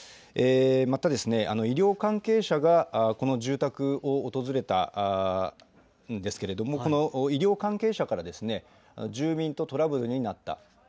またですね、医療関係者がこの住宅を訪れたんですけれども、この医療関係者から、住民とトラブルになった。